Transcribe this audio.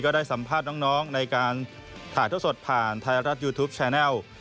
ได้สัมภาษณ์น้องในการถ่ายท่อสดผ่านไทยรัฐยูทูปแชนแลล์